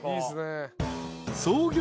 ［創業